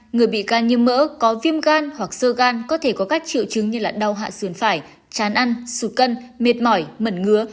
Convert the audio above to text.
người bị gan như mỡ có viêm gan hoặc sơ gan có thể có các triệu chứng như là đau hạ xườn phải chán ăn sụt cân mệt mỏi mẩn ngứa